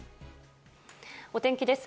お天気です。